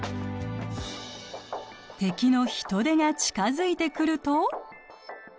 敵のヒトデが近づいてくると。